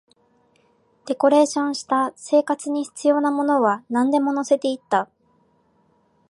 デコレーションした、生活に必要なものはなんでも乗せていった